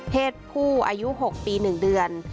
ผู้อายุ๖ปี๑เดือน